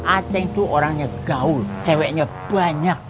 aceh itu orangnya gaul ceweknya banyak